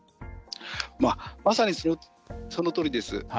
まさに、そのとおりです。